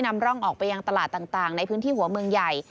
นำร่องออกไปยังตลาดต่างในพื้นที่หัวเมืองใหญ่